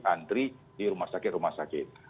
antri di rumah sakit rumah sakit